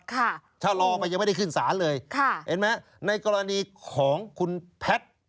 ถ้ารอมันยังไม่ได้ขึ้นศาลเลยค่ะเห็นไหมในกรณีของคุณแพทย์